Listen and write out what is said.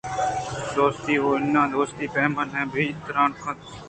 دوستی ءُنا دوستی ءِ پیمءَ آئی ءِ بابتءَترٛان کنت